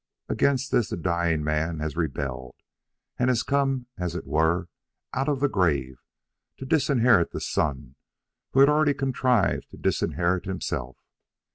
Against this the dying man has rebelled, and has come, as it were, out of the grave to disinherit the son who has already contrived to disinherit himself.